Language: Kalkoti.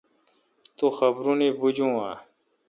تو خبرونی بجون آں؟